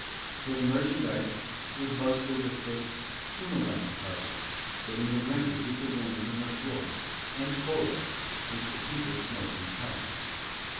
For the merchandise was mostly the thick toomarund carpets that in the winter keep the wind from the floor, and tollub which the people smoke in pipes.